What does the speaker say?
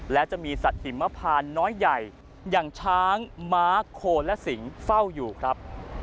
และจะมีสัตว์หิมพานน้อยใหญ่อย่างช้างม้าโคนและสิงเฝ้าอยู่ครับ